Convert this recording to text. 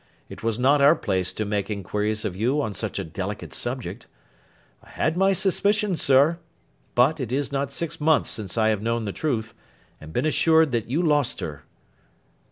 It was not our place to make inquiries of you on such a delicate subject. I had my suspicions, sir; but, it is not six months since I have known the truth, and been assured that you lost her.